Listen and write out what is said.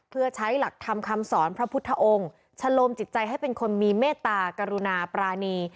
เพื่อใช้หลักธรรมคำสอนพระพุทธองค์ชะโลมจิตใจให้เป็นคนมีเมตตากรุณาปรานี